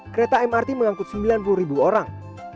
kereta mrt mengangkut sembilan puluh ribu orang